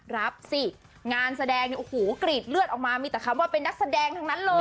รับสิงานแสดงเนี่ยโอ้โหกรีดเลือดออกมามีแต่คำว่าเป็นนักแสดงทั้งนั้นเลย